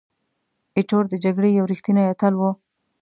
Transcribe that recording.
ایټور د جګړې یو ریښتینی اتل وو.